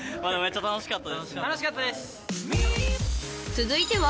［続いては］